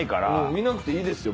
見なくていいですよ